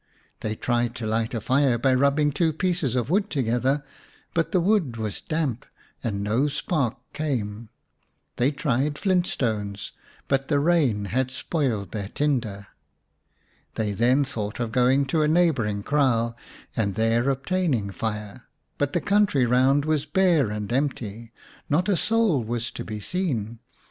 They tried to light a fire by rubbing two pieces of wood together, but the wood was damp and no spark came. They tried flint stones, but the rain had spoilt their tinder. They then thought of going to a neighbouring kraal and there obtaining fire, but the country round was bare and empty, not a soul was to be seen.